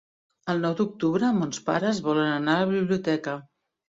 El nou d'octubre mons pares volen anar a la biblioteca.